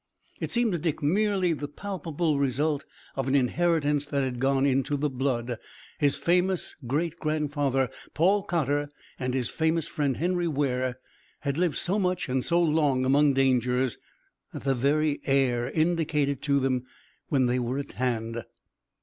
It seemed to Dick merely the palpable result of an inheritance that had gone into the blood. His famous great grandfather, Paul Cotter, and his famous friend, Henry Ware, had lived so much and so long among dangers that the very air indicated to them when they were at hand.